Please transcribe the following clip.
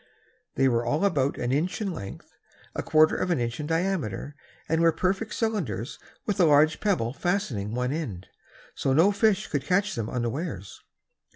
They were all about an inch in length, a quarter of an inch in diameter and were perfect cylinders with a large pebble fastening one end; so no fish could catch them unawares.